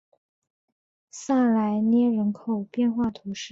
萨莱涅人口变化图示